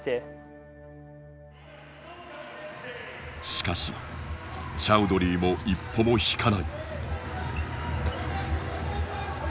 しかしチャウドリーも一歩も引かない。